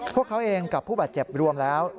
พวกเขาเองกับผู้บาดเจ็บรวมแล้ว